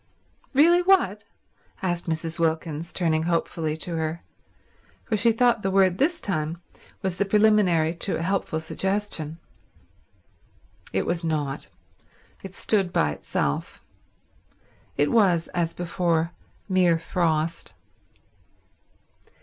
"Really what?" asked Mrs. Wilkins, turning hopefully to her, for she thought the word this time was the preliminary to a helpful suggestion. It was not. It stood by itself. It was, as before, mere frost.